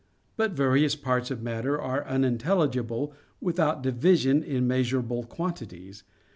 But various parts of matter are unintelligible without division in measurable quantities.